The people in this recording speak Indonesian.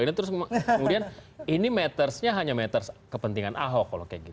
ini terus kemudian ini mattersnya hanya matters kepentingan ahok